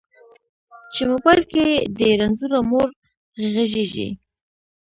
چې موبایل کې دې رنځوره مور غږیږي